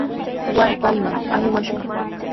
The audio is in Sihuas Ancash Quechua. Waray payman aywashun.